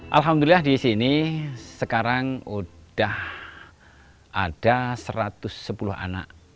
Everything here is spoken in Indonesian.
alhamdulillah di sini sekarang sudah ada satu ratus sepuluh anak